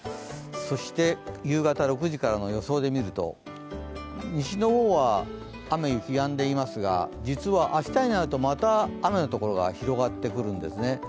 そして夕方６時からの予想で見ると西の方は雨・雪やんでいますが実は明日になるとまた雨のところが広がってくるんですね。